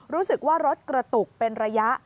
รู้สึกว่ารถกระตุกเป็นระยะ